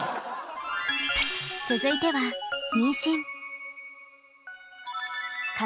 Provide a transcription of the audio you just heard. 続いては妊娠。